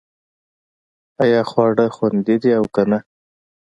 ایا خواړه خوندي دي او که نه